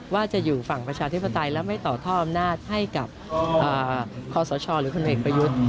ว่าจะอยู่ฝั่งประชาธิปไตยและไม่ต่อท่ออำนาจให้กับคอสชหรือคนเอกประยุทธ์